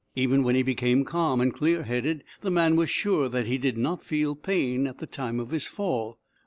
Even when he became calm and clear headed the man was sure that he did not feel pain at the time of his fall.